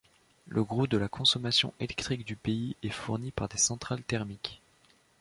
Le gros de la consommation électrique du pays est fourni par des centrales thermiques.